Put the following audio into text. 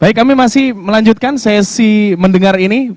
baik kami masih melanjutkan sesi mendengar ini